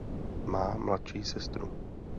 Má mladší sestru.